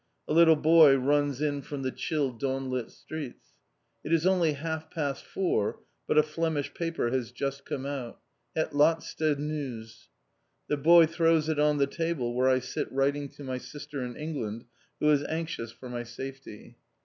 A little boy runs in from the chill dawn lit streets. It is only half past four, but a Flemish paper has just come out. Het Laatste Nieuws. The boy throws it on the table where I sit writing to my sister in England, who is anxious for my safety.